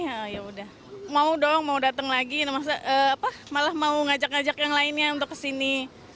ya yaudah mau dong mau datang lagi malah mau ngajak ngajak yang lainnya untuk kesini